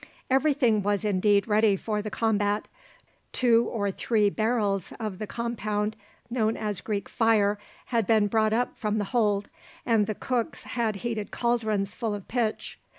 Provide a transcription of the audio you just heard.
Everything was indeed ready for the combat. Two or three barrels of the compound known as Greek fire had been brought up from the hold, and the cooks had heated cauldrons full of pitch.